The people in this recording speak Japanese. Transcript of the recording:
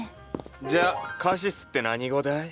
じゃあカシスって何語だい？